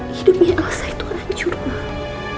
hidupnya elsa itu hancur banget